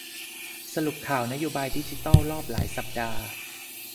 สรุปข่าวนโยบายดิจิทัลรอบหลายสัปดาห์